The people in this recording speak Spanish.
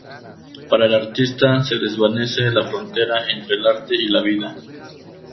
Para el artista se desvanece la frontera entre el arte y la vida.